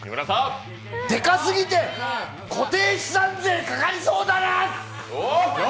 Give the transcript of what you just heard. でかすぎて固定資産税かかりそうだな！